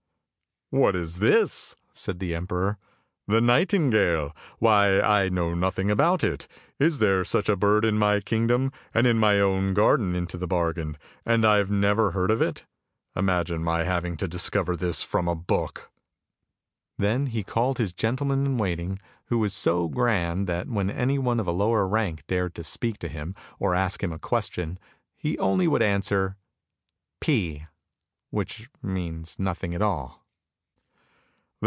"What is this?" said the emperor. "The nightingale? Why I know nothing about it. Is there such a bird in my kingdom, and in my own garden into the bargain, and I have never heard of it? Imagine my having to discover this from a book? Then he called his gentleman in waiting, who was so grand that when anyone of a lower rank dared to speak to him, or to ask him a question, he only would answer " P," which means nothing at all.